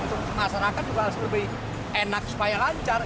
untuk masyarakat juga harus lebih enak supaya lancar